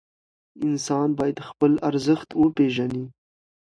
انسان باید خپل ارزښت وپېژني.